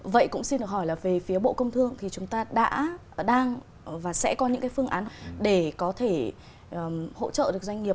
vậy cũng xin được hỏi là về phía bộ công thương thì chúng ta đã đang và sẽ có những cái phương án để có thể hỗ trợ được doanh nghiệp